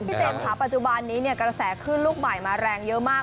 เจมส์ค่ะปัจจุบันนี้กระแสขึ้นลูกใหม่มาแรงเยอะมาก